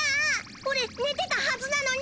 オレ寝てたはずなのに！？